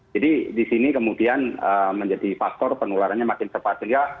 jadi disini kemudian menjadi faktor penularannya makin terpaksa